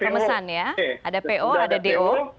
pemesan ya ada po ada do